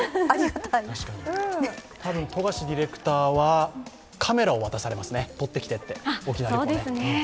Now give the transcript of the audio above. たぶん富樫ディレクターはカメラを渡されますね、撮ってきてと。